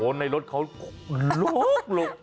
โอ้้ยในรถเขาลง